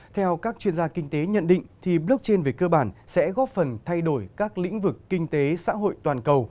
theo các chuyên gia kinh tế nhận định blockchain về cơ bản sẽ góp phần thay đổi các lĩnh vực kinh tế xã hội toàn cầu